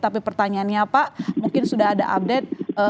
tapi pertanyaannya pak mungkin sudah ada update